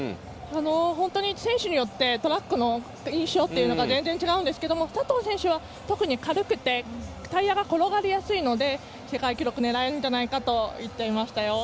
本当に選手によってトラックの印象というのが全然違うんですけど佐藤選手は特に軽くてタイヤが転がりやすいので世界記録狙えるんじゃないかと言っていましたよ。